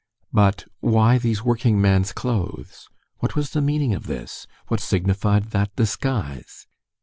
But why these workingman's clothes? What was the meaning of this? What signified that disguise?